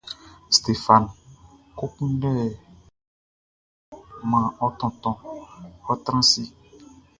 Stéphane, kɔ kunndɛ bia man ɔ tontonʼn; ɔ́ trán ase.